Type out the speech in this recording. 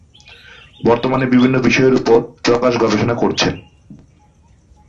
বর্তমানে বিভিন্ন বিষয়ের উপর প্রকাশ গবেষণা করছেন।